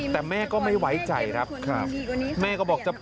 แต่แม่ก็ไม่ไว้ใจครับแม่ก็บอกจะ